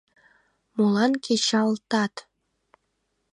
Молан кечалтат?